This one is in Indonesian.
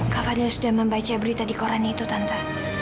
kak fadil sudah membaca berita di korannya itu tante